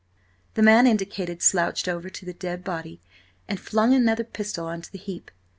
The man indicated slouched over to the dead body and flung another pistol on to the heap.